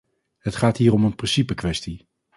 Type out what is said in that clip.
Het gaat hier om een principekwestie.